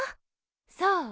そう。